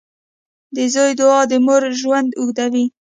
• د زوی دعا د مور ژوند اوږدوي.